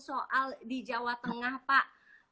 soal di jawa tengah pak